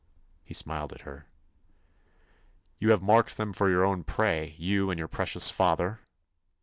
He smiled at her. "You have marked them for your own prey—you and your precious father?"